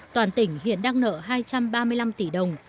toàn tỉnh hiện đang nợ hai trăm ba mươi năm tỷ đồng